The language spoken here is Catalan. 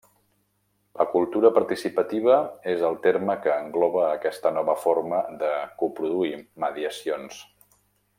La cultura participativa és el terme que engloba aquesta nova forma de coproduir mediacions.